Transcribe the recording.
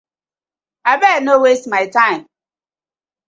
Abeg! No waste my time.